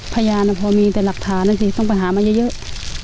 พยานพอมีแต่หลักฐานนะสิต้องไปหามาเยอะ